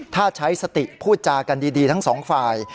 ถ้าใช้สติพูดจากันดีทั้งสองฝ่าย